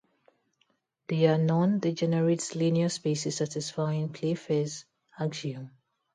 They are non-degenerate linear spaces satisfying Playfair's axiom.